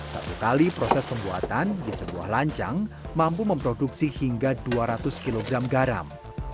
satu kali proses pembuatan di sebuah lancang mampu memproduksi hingga dua ratus kg garam